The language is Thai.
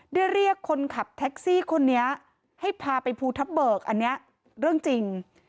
เรียกคนขับแท็กซี่คนนี้ให้พาไปภูทับเบิกอันนี้เรื่องจริง